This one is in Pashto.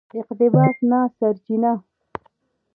اقتباس نه سرچینه